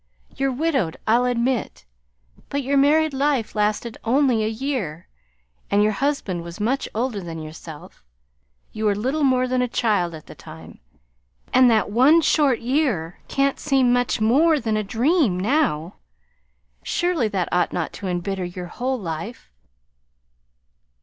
You're widowed, I'll admit; but your married life lasted only a year, and your husband was much older than yourself. You were little more than a child at the time, and that one short year can't seem much more than a dream now. Surely that ought not to embitter your whole life!"